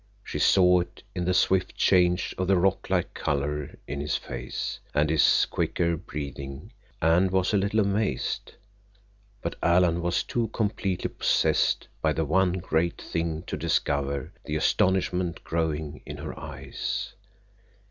She saw it in the swift change of the rock like color in his face, and his quicker breathing, and was a little amazed, but Alan was too completely possessed by the one great thing to discover the astonishment growing in her eyes.